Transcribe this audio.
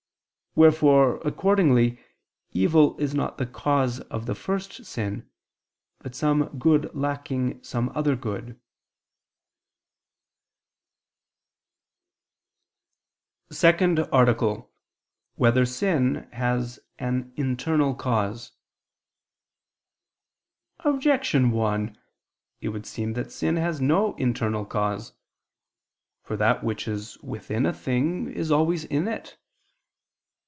Wherefore accordingly, evil is not the cause of the first sin, but some good lacking some other good. ________________________ SECOND ARTICLE [I II, Q. 75, Art. 2] Whether Sin Has an Internal Cause? Objection 1: It would seem that sin has no internal cause. For that which is within a thing is always in it.